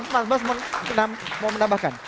mas mau menambahkan